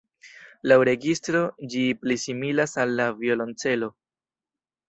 Laŭ registro ĝi pli similas al la violonĉelo.